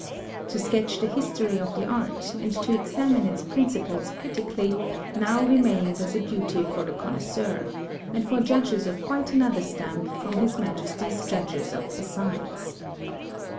To sketch the history of the art, and to examine its principles critically, now remains as a duty for the connoisseur, and for judges of quite another stamp from his Majesty's Judges of Assize."